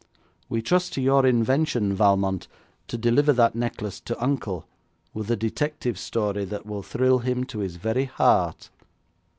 'We trust to your invention, Valmont, to deliver that necklace to uncle with a detective story that will thrill him to his very heart.'